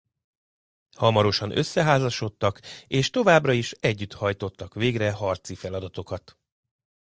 Hamarosan összeházasodtak és továbbra is együtt hajtottak végre harci feladatokat.